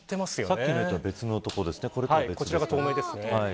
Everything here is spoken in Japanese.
さっきのとは別の所ですね。